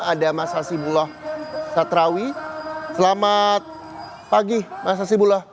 ada mas hasibullah satrawi selamat pagi mas hasibullah